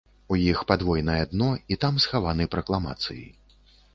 У іх падвойнае дно, і там схаваны пракламацыі.